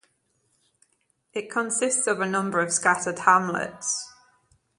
It consists of a number of scattered hamlets.